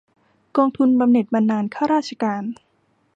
กองทุนบำเหน็จบำนาญข้าราชการ